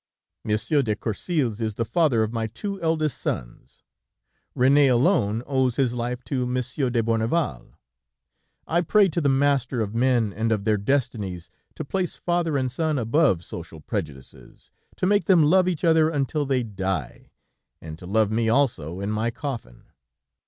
"'Monsieur de Courcils is the father of my two eldest sons; René alone owes his life to Monsieur de Bourneval. I pray to the Master of men and of their destinies, to place father and son above social prejudices, to make them love each other until they die, and to love me also in my coffin.